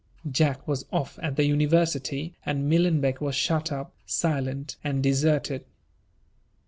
Jack was off at the university, and Millenbeck was shut up, silent and deserted.